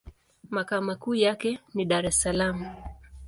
Makao makuu yake ni Dar-es-Salaam.